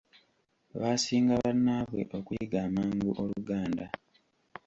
Baasinga bannaabwe okuyiga amangu Oluganda.